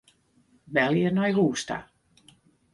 Belje nei hûs ta.